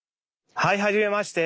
はいはじめまして！